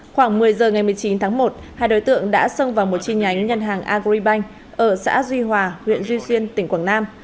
khoảng một mươi giờ ngày một mươi chín tháng một hai đối tượng đã xông vào một chi nhánh ngân hàng agribank ở xã duy hòa huyện duy xuyên tỉnh quảng nam